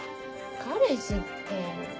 彼氏って。